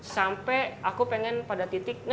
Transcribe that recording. sampai aku pengen pada titik